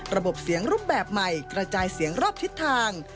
ระบบเสียงรูปแบบใหม่กระจายเสียงรอบทิศทาง